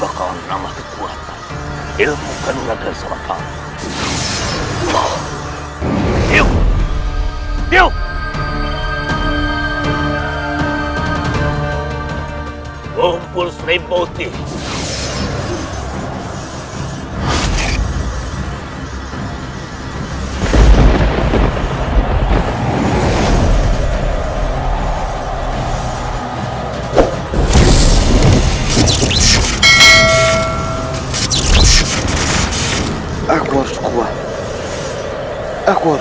aku harus bisa melindungi kakakku